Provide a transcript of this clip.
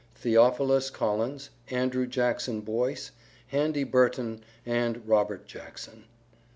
THEOPHILUS COLLINS, ANDREW JACKSON BOYCE, HANDY BURTON AND ROBERT JACKSON.